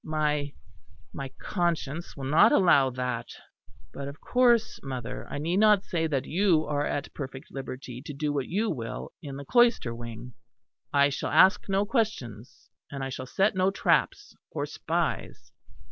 My my conscience will not allow that. But of course, mother, I need not say that you are at perfect liberty to do what you will in the cloister wing; I shall ask no questions; and I shall set no traps or spies.